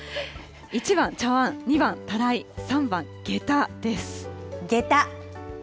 １番、茶わん、２番、たらい、３番、げたです。